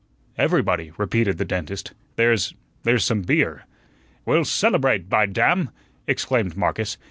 "Everybody," repeated the dentist. "There's there's some beer." "We'll celebrate, by damn!" exclaimed Marcus.